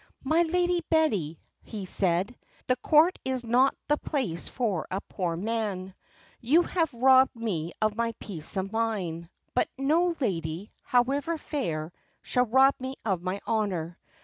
"'My Lady Betty,' he said, 'the Court is not the place for a poor man. You have robbed me of my peace of mind, but no lady, however fair, shall rob me of my honour.